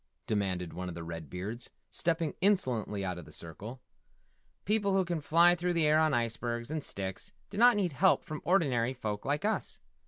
demanded one of the Red Beards, stepping insolently out of the circle. "People who can fly through the air on icebergs and sticks do not need help from ordinary folk like us.